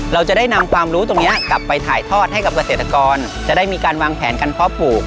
เราจะได้นำความรู้ตรงนี้กลับไปถ่ายทอดให้กับเกษตรกรจะได้มีการวางแผนการเพาะปลูก